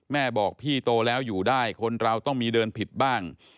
บอกพี่โตแล้วอยู่ได้คนเราต้องมีเดินผิดบ้าง